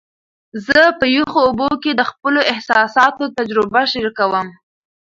زه په یخو اوبو کې د خپلو احساساتو تجربه شریکوم.